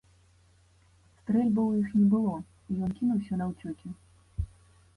Стрэльбаў у іх не было, і ён кінуўся наўцёкі.